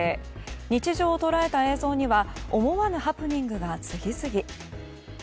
日常を捉えた映像には思わぬハプニングが次々。